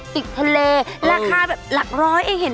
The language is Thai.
เซิร์ชไปเลยไอไทยหัวหิน